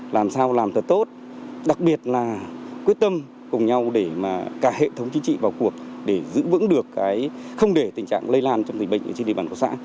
làm sao làm thật tốt đặc biệt là quyết tâm cùng nhau để mà cả hệ thống chính trị vào cuộc để giữ vững được không để tình trạng lây lan trong dịch bệnh trên địa bàn của xã